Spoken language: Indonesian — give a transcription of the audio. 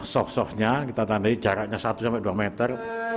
soft softnya kita tandai jaraknya satu sampai dua meter